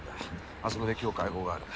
あそこで今日会合がある。